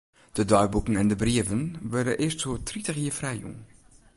De deiboeken en de brieven wurde earst oer tritich jier frijjûn.